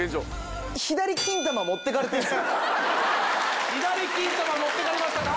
左金玉持ってかれましたか？